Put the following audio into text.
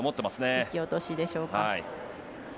引き落としでしょうか。